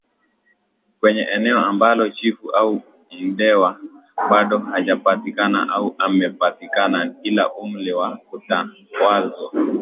kwenye eneo ambalo Chifu au Mndewa bado hajapatikana au amepatikana ila umri wa kutawazwa